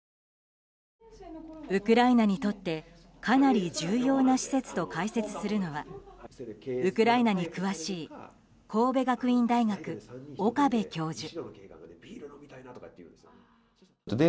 ウクライナにとってかなり重要な施設と解説するのはウクライナに詳しい神戸学院大学、岡部教授。